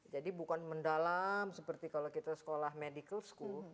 jadi bukan mendalam seperti kalau kita sekolah medical school